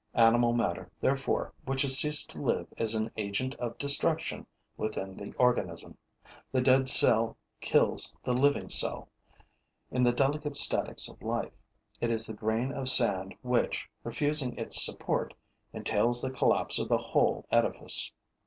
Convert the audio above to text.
Animal matter, therefore, which has ceased to live is an agent of destruction within the organism. The dead cell kills the living cell; in the delicate statics of life, it is the grain of sand which, refusing its support, entails the collapse of the whole edifice.